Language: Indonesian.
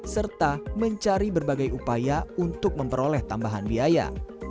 serta mencari berbagai upaya untuk memperoleh tambahan biaya